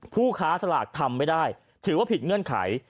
ผู้ค้าสลากทำไม่ได้ถือว่าผิดเงื่อนไข